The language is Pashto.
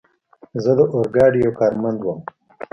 زه د اورګاډي یو کارمند ووم.